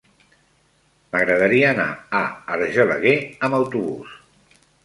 M'agradaria anar a Argelaguer amb autobús.